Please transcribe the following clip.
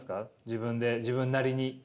自分で自分なりに。